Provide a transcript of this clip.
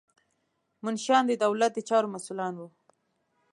منشیان د دولت د چارو مسؤلان وو.